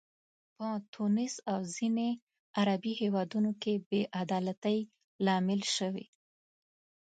په تونس او ځینو عربي هیوادونو کې بې عدالتۍ لامل شوي.